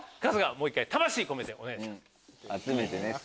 もう一回魂込めてお願いします。